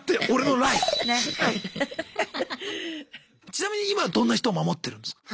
ちなみに今どんな人を守ってるんですか？